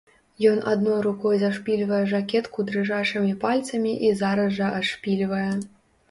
Ён адной рукой зашпільвае жакетку дрыжачымі пальцамі і зараз жа адшпільвае.